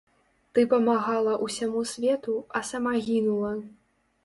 Ты памагала ўсяму свету, а сама гінула.